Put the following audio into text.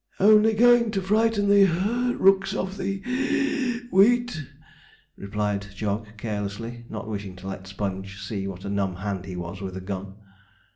'Only going to frighten the (puff) rooks off the wheat,' replied Jog carelessly, not wishing to let Sponge see what a numb hand he was with a gun.